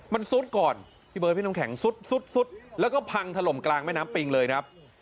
มันซุดก่อนพี่เบิร์พี่น้ำแข็งซุดแล้วก็พังถล่มกลางแม่น้ำปิงเลยครับ